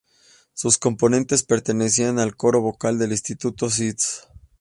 Sus componentes pertenecían al coro vocal del instituto "St.